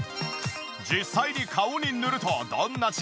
実際に顔に塗るとどんな違いが出るのか？